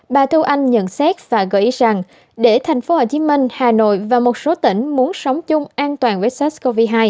bà thu anh nhận xét và gợi ý rằng để tp hcm hà nội và một số tỉnh muốn sống chung an toàn với sars cov hai